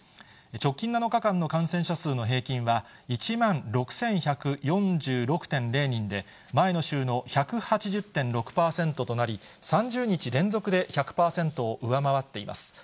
直近７日間の感染者数の平均は１万６１４６．０人で、前の週の１８０．６％となり、３０日連続で１００％を上回っています。